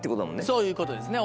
そういうことですね。